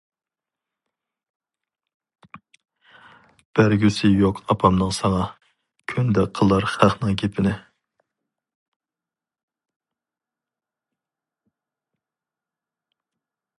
بەرگۈسى يوق ئاپامنىڭ ساڭا، كۈندە قىلار خەقنىڭ گېپىنى.